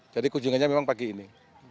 jadi kunjungannya memang pagi ini